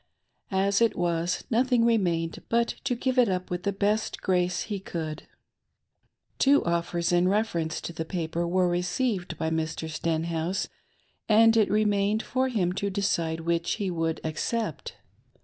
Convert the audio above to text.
As it was, nothing remained but to give it up with th^ best grace he could. Two offers in reference to the paper were received by Mr. Stenhouse, and it remained for him to decide which he would accept.